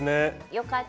よかった。